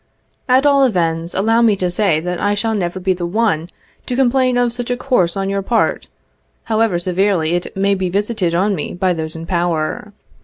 At all events, allow me to say, that I shall never be the one to complain of such a course on your part, however severely it may be visited on me by those in power.